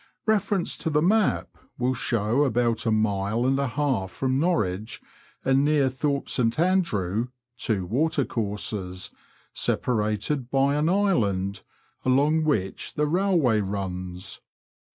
Reference to the map will show about a mile and a half from Norwich, and near Thorpe St Andrew, two water courses, separated by an island, along which the railway runs.